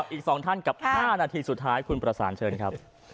อีก๒ท่านกับ๕นาทีสุดท้ายคุณประสานเชิญครับ